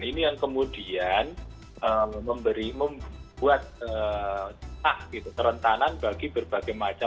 ini yang kemudian membuat ca terentanan bagi berbagai masyarakat